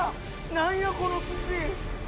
何やこの土！